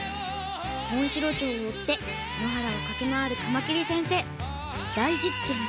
モンシロチョウを追って野原を駆け回るカマキリ先生。